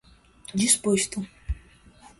disposto